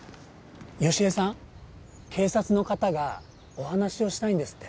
佳恵さん警察の方がお話をしたいんですって。